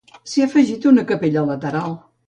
S'hi ha afegit una capella lateral.